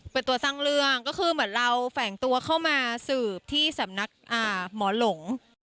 เป็นตัวสร้างเรื่องก็คือเหมือนเราแฝงตัวเข้ามาสืบที่สำนักหมอหลง